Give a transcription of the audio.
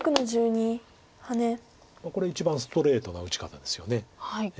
これ一番ストレートな打ち方ですよね。